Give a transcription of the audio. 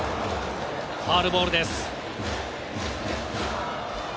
ファウルボールです。